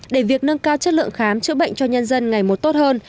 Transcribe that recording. để việc nâng cao chất lượng khám chữa bệnh cho nhân dân ngày một tốt hơn